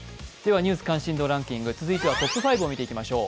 ニュース関心度ランキング続いてはトップ５を見ていきましょう。